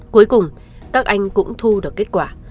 cuối cùng các anh cũng thu được kết quả